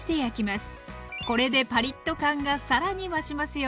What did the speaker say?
これでパリッと感がさらに増しますよ。